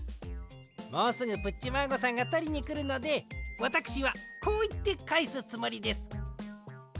もうすぐプッチマーゴさんがとりにくるのでわたくしはこういってかえすつもりです。